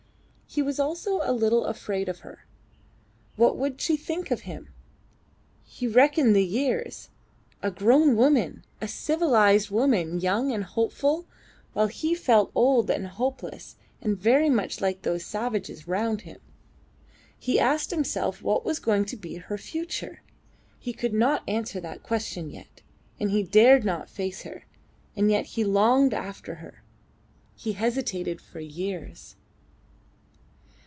He was also a little afraid of her. What would she think of him? He reckoned the years. A grown woman. A civilised woman, young and hopeful; while he felt old and hopeless, and very much like those savages round him. He asked himself what was going to be her future. He could not answer that question yet, and he dared not face her. And yet he longed after her. He hesitated for years.